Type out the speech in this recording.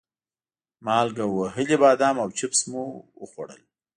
مالګه وهلي بادام او چپس مې وخوړل.